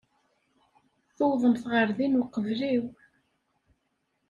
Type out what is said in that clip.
Tuwḍemt ɣer din uqbel-iw.